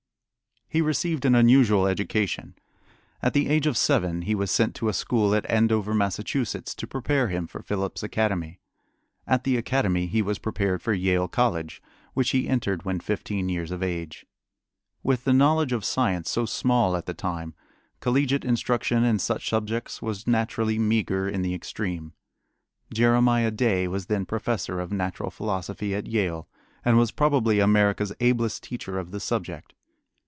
He received an unusual education. At the age of seven he was sent to a school at Andover, Massachusetts, to prepare him for Phillips Academy. At the academy he was prepared for Yale College, which he entered when fifteen years of age. With the knowledge of science so small at the time, collegiate instruction in such subjects was naturally meager in the extreme. Jeremiah Day was then professor of natural philosophy at Yale, and was probably America's ablest teacher of the subject.